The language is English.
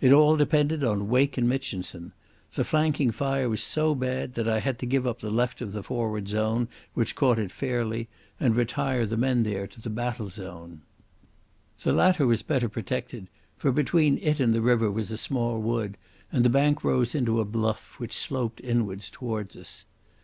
It all depended on Wake and Mitchinson. The flanking fire was so bad that I had to give up the left of the forward zone, which caught it fairly, and retire the men there to the battle zone. The latter was better protected, for between it and the river was a small wood and the bank rose into a bluff which sloped inwards towards us.